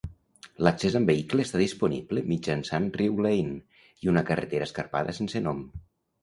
L'accés amb vehicle està disponible mitjançant Rew Lane i una carretera escarpada sense nom.